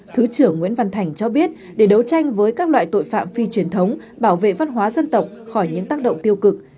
thứ trưởng nguyễn văn thành cho biết để đấu tranh với các loại tội phạm phi truyền thống bảo vệ văn hóa dân tộc khỏi những tác động tiêu cực